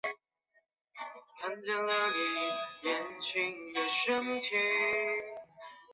柏尔古希亚古罗马凯尔特神话女性神只之一。